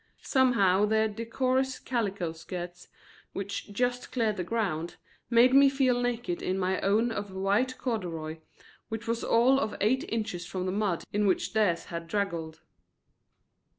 Somehow their decorous calico skirts, which just cleared the ground, made me feel naked in my own of white corduroy, which was all of eight inches from the mud in which theirs had draggled.